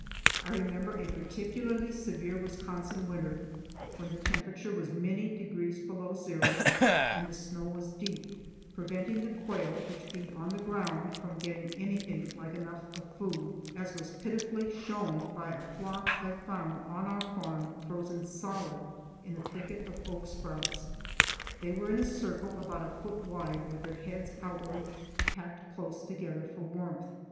I remember a particularly severe Wisconsin winter, when the temperature was many degrees below zero and the snow was deep, preventing the quail, which feed on the ground, from getting anything like enough of food, as was pitifully shown by a flock I found on our farm frozen solid in a thicket of oak sprouts. They were in a circle about a foot wide, with their heads outward, packed close together for warmth.